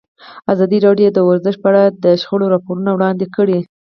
ازادي راډیو د ورزش په اړه د شخړو راپورونه وړاندې کړي.